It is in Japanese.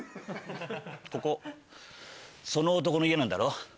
ここその男の家なんだろ？